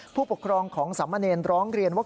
ผู้ปกครองของสามเณรร้องเรียนว่า